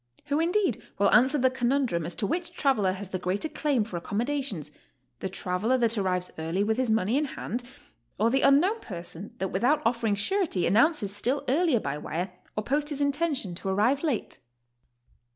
Who, indeed, will answer the conundrum as to which traveler has the greater claim for accommodations, the traveler that ar rives early with his money in hand, or the unknown person that without offering surety announces still earlier by wire or post his intention to arrive late?